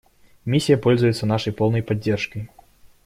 Миссия пользуется нашей полной поддержкой.